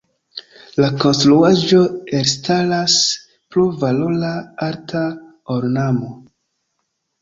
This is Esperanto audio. La konstruaĵo elstaras pro valora arta ornamo.